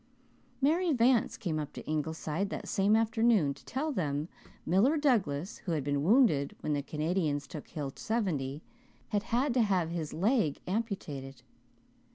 Mary Vance came up to Ingleside that same afternoon to tell them that Miller Douglas, who had been wounded when the Canadians took Hill 70, had had to have his leg amputated.